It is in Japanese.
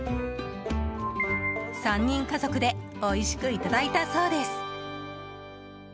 ３人家族でおいしくいただいたそうです。